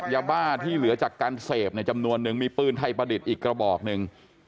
ยาบ้าที่เหลือจากการเสพในจำนวนนึงมีปืนไทยประดิษฐ์อีกกระบอกหนึ่ง